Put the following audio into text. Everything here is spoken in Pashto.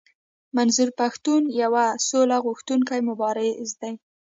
منظور پښتون يو سوله غوښتونکی مبارز دی.